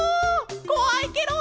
こわいケロ！